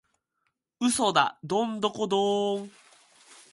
嘘だドンドコドーン！